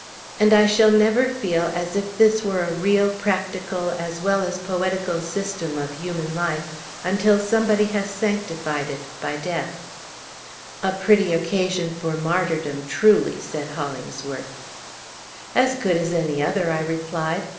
And I shall never feel as if this were a real, practical, as well as poetical system of human life, until somebody has sanctified it by death." "A pretty occasion for martyrdom, truly!" said Hollingsworth. "As good as any other," I replied.